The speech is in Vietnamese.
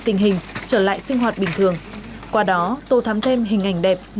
tình hình trở lại sinh hoạt bình thường qua đó tô thắm thêm hình ảnh đẹp